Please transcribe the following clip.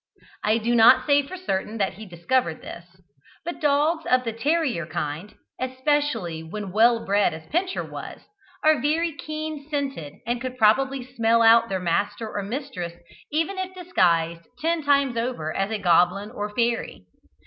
I do not say for certain that he discovered this; but dogs of the terrier kind, especially when well bred as Pincher was, are very keen scented, and could probably smell out their master or mistress even if disguised ten times over as a goblin or fairy.